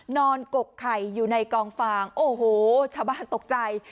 กกไข่อยู่ในกองฟางโอ้โหชาวบ้านตกใจ